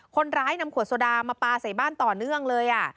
คนร้ายนำขวดโซดามาปลาใส่บ้านต่อเนื่องเลย